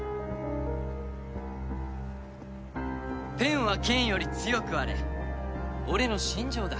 ペンは剣より強くあれ俺の信条だ。